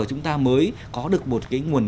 chúng ta mới có được một cái nguồn